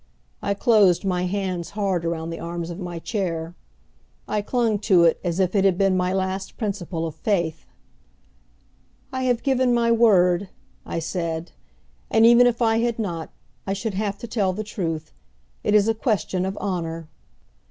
I closed my hands hard around the arms of my chair. I clung to it as if it had been my last principle of faith. "I have given my word," I said, "and even if I had not, I should have to tell the truth. It is a question of honor."